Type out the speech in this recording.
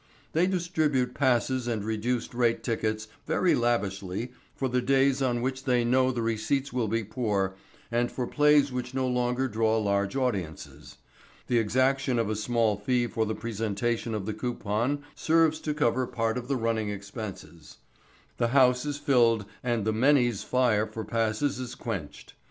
They distribute passes and reduced rate tickets very lavishly for the days on which they know the receipts will be poor and for plays which no longer draw large audiences. The exaction of a small fee on the presentation of the coupon serves to cover part of the running expenses; the house is filled and the many's fire for passes is quenched.